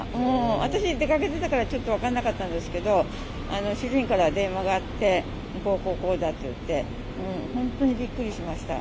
私、出かけてたからちょっと分かんなかったんですけど、主人から電話があって、こうこうこうだっていって、本当にびっくりしました。